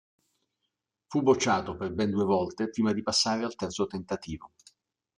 Fu bocciato per ben due volte prima di passare al terzo tentativo.